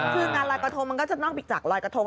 คืองานลอยกระทงมันก็จะนอกบิกจากรอยกระทง